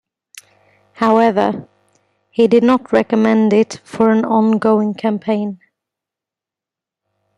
However, he did not recommend it for an ongoing campaign.